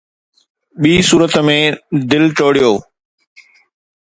ٻي صورت ۾، دل ٽوڙيو